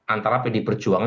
antara pilih perjuangan